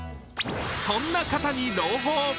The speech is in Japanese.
そんな方に朗報。